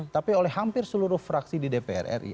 tapi oleh hampir seluruh fraksi di dpr ri